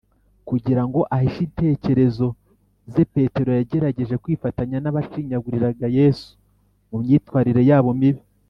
kugira ngo ahishe intekerezo ze, petero yagerageje kwifatanya n’abashinyaguriraga yesu mu myitwarire yabo mibi